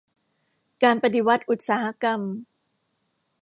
การปฏิวัติอุตสาหกรรม